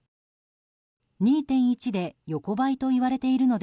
２．１で横ばいといわれているので